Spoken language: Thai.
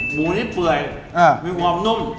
หมูนี้เปื่อยมีความนุ่ม